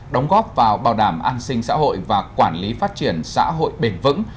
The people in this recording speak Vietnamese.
đóng góp vào bảo đảm an sinh xã hội và quản lý phát triển xã hội bền vững